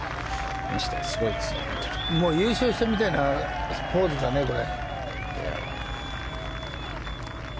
もう優勝したみたいなポーズだね、これ。